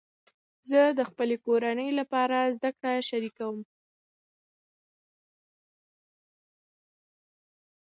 زه د خپلې کورنۍ لپاره زده کړه شریکوم.